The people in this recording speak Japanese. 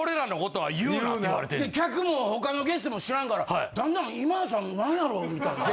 客も他のゲストも知らんからだんだん今田さん何やろう？みたいな。